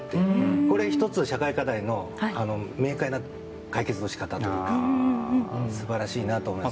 これが１つ社会課題の明快な解決の仕方というか素晴らしいなと思います。